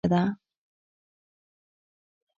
رقیب زما د فکر د پرمختګ وسیله ده